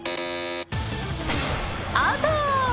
アウト！